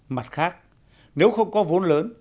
mặt khác nếu không có vốn lớn